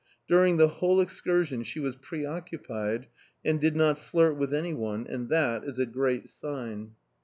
During the whole excursion she was preoccupied, and did not flirt with anyone and that is a great sign!